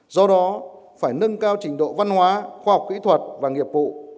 do đó phải nâng cao trình độ văn hóa khoa học kỹ thuật và nghiệp vụ